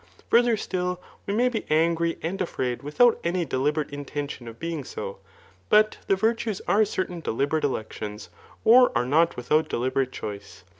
Farther still, we may be angry and afraid without any deliberate intention of being so ; but the virtues are certain deliberaie decdons, or are not without deliberate choice.